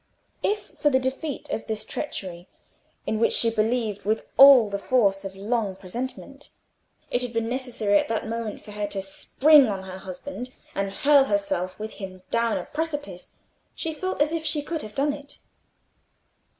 If for the defeat of this treachery, in which she believed with all the force of long presentiment, it had been necessary at that moment for her to spring on her husband and hurl herself with him down a precipice, she felt as if she could have done it.